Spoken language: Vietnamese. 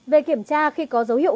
một về kiểm tra khi có dấu hiệu